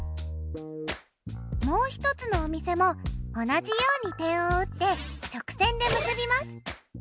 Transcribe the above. もう一つのお店も同じように点を打って直線で結びます。